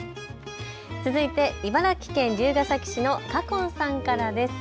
続いて茨城県龍ケ崎市のかこんさんからです。